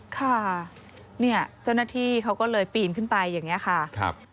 ค่ะเนี่ยเจ้าหน้าที่เขาก็เลยปีนขึ้นไปอย่างนี้ค่ะ